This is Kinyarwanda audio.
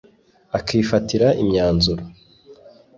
akifatira imyanzuro